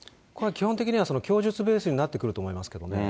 基本的には供述ベースになってくると思いますけどね。